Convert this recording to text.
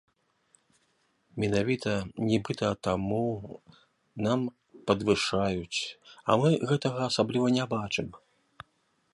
Менавіта, нібыта, таму нам падвышаюць, а мы гэтага асабліва не бачым.